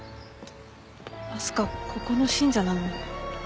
明日花ここの信者なの？